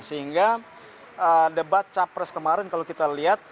sehingga debat capres kemarin kalau kita lihat